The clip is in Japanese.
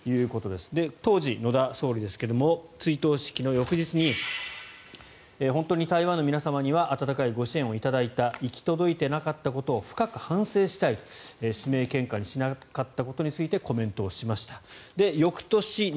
当時、野田総理ですが追悼式の翌日に本当に台湾の皆様には温かいご支援をいただいた行き届いていなかったことを深く反省したいと指名献花にしなかったことについてコメントしました。